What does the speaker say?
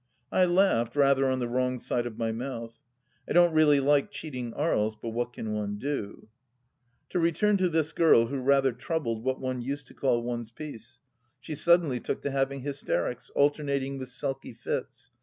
I laughed, rather on the wrong side of my mouth. I don't really like cheating Aries, but what can one do ? To return to this girl who rather troubled what one used to call one's peace. She suddenly took to having hysterics, alternating with sulky fits.